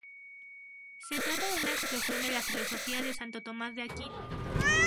Se trata de una exposición de la filosofía de Santo Tomás de Aquino.